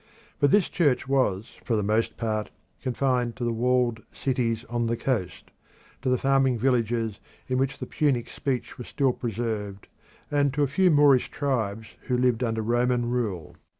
But this church was for the most part confined to the walled cities on the coast, to the farming villages in which the Punic speech was still preserved, and to a few Moorish tribes who lived under Roman rule.